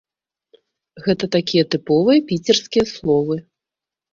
Гэта такія тыповыя піцерскія словы.